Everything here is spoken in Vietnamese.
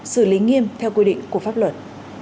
xử lý nghiêm theo quy định của pháp luật